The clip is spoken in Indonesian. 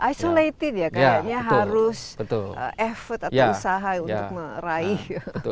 isolated ya kayaknya harus effort atau usaha untuk meraih